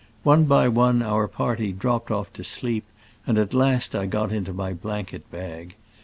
One by one our party dropped off to sleep, and at last I got into my blanket bag.